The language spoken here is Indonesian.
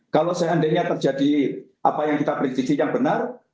kalau seandainya terjadi apa yang kita prediksi yang benar